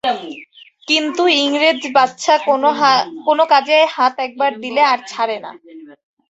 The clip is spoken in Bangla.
কিন্তু ইংরেজবাচ্ছা কোন কাজে হাত একবার দিলে আর ছাড়ে না।